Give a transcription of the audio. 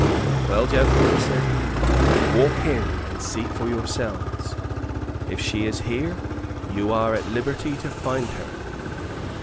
"Well gentlemen," said he, "walk in, and see for yourselves. If she is here, you are at liberty to find her."